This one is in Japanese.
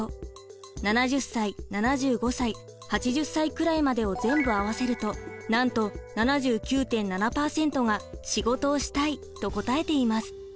「７０歳」「７５歳」「８０歳くらいまで」を全部合わせるとなんと７９．７％が「仕事をしたい」と答えています。